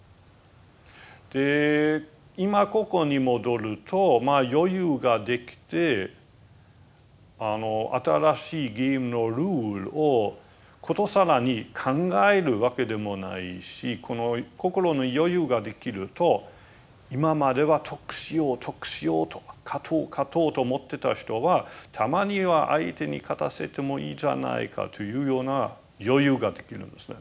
今ここに戻ると余裕ができて新しいゲームのルールを殊更に考えるわけでもないし心に余裕ができると今までは得しよう得しようと勝とう勝とうと思ってた人はたまには相手に勝たせてもいいじゃないかというような余裕ができるんですね。